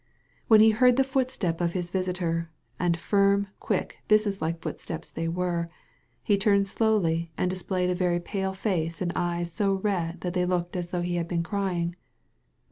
When he heard the footstep of his visitor — and firm, quick, business like footsteps they were — ^he turned slowly, and displayed a very pale face and eyes so red that they looked as though he had been crying.